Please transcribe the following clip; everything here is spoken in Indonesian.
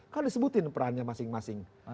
kan disebutin perannya masing masing